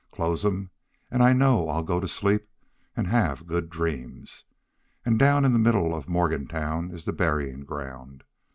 Close 'em, and I know I'll go to sleep an' have good dreams. And down in the middle of Morgantown is the buryin' ground.